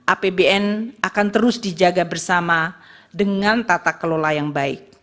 apbn akan terus dijaga bersama dengan tata kelola yang baik